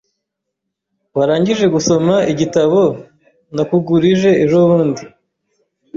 Warangije gusoma igitabo nakugurije ejobundi?